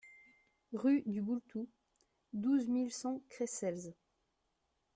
Rue du Boultou, douze mille cent Creissels